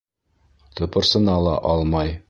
Тыпырсына ла алмай.